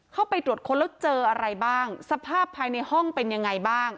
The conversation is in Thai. เข้าไปตรวจค้นแล้วเจออะไรบ้างสภาพภายในห้องเป็นยังไงบ้าง